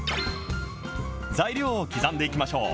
材料を刻んでいきましょう。